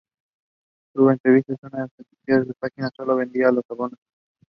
There was no junior pairs competition due to the lack of entries.